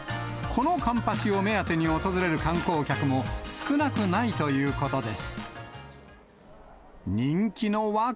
このカンパチを目当てに訪れる観光客も少なくないということです。